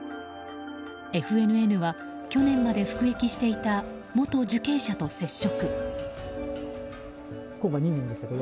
ＦＮＮは去年まで服役していた元受刑者と接触。